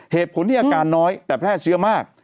เหตุผลที่อาการน้อยแต่แพร่เชื้อมาก